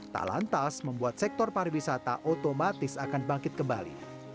tak lantas membuat sektor pariwisata otomatis akan bangkit kembali